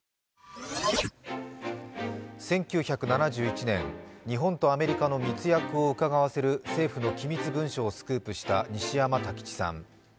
１９７１年、日本とアメリカの密約をうかがわせる政府の機密文書をスクープした西山太吉さん。